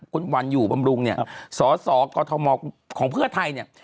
คุณวันอยู่บำรุงเนี่ยสสกมของเพื่อไทยเนี่ย